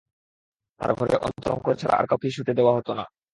তাঁর ঘরে অন্তরঙ্গদের ছাড়া আর কাউকেই শুতে দেওয়া হত না।